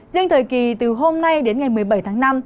riêng thời kỳ từ hôm nay đến ngày một mươi bảy tháng năm